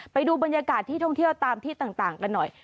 ไปดูบรรยากาศที่ท่องเที่ยวตามที่ต่างกันหน่อย